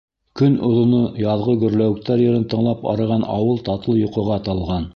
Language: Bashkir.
Көн оҙоно яҙғы гөрләүектәр йырын тыңлап арыған ауыл татлы йоҡоға талған.